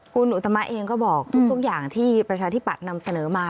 คุณอุตมะเองก็บอกทุกอย่างที่ประชาธิปัตย์นำเสนอมา